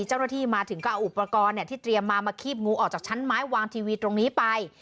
เจ้าหน้าที่มาถึงก็เอาอุปกรณ์ที่เตรียมมามาคีบงูออกจากชั้นไม้วางทีวีตรงนี้ไป